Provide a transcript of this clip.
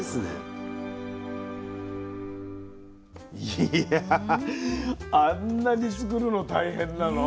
いやあんなにつくるの大変なの？